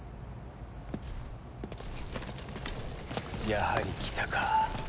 やはり来たか。